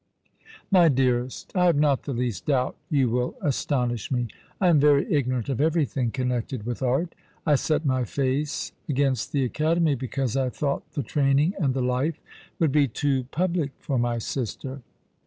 " My dearest, I have not the least doubt you will astonish me. I am very ignorant of everything connected with art. I set my face against the Academy because I thought the training and the life would be too j^ublic for my sister."